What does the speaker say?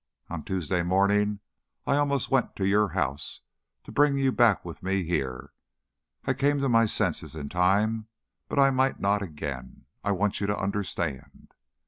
On Tuesday morning I almost went to your house to bring you back with me here. I came to my senses in time; but I might not again. I want you to understand.